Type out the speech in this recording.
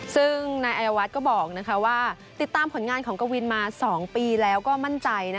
ซึ่งนายอายวัฒน์ก็บอกว่าติดตามผลงานของกวินมา๒ปีแล้วก็มั่นใจ